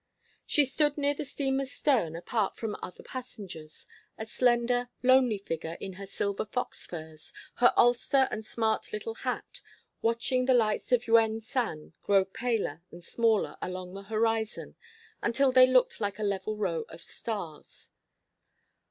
She stood near the steamer's stern apart from other passengers, a slender, lonely figure in her silver fox furs, her ulster and smart little hat, watching the lights of Yuen San grow paler and smaller along the horizon until they looked like a level row of stars.